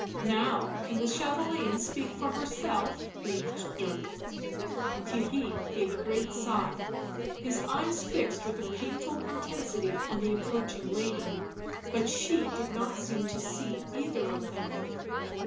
" Now can the chatelaine speak for herself," breathed Dirk. Theirry gave a great sigh, his eyes fixed with a painful intensity on the approaching lady, but she did not seem to see either of them.